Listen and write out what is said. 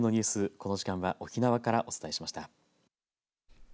この時間は沖縄からお伝えしました。